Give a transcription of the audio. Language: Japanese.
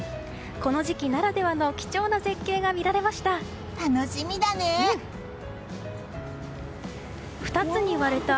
この時期ならではの貴重な絶景が見られました。